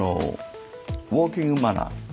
ウォーキング・マナー。